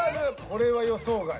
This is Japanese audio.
これは予想外。